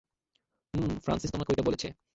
হম Francis তোমাকে ঐটা বলেছে?